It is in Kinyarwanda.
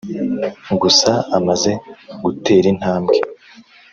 Gusa amaze guterintambwe.